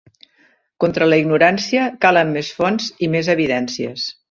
Contra la ignorància calen més fonts i més evidències.